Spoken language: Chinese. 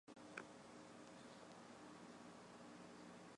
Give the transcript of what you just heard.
托旺达镇区为位在美国堪萨斯州巴特勒县的镇区。